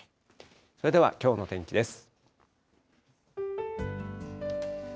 それではきょうの天気です。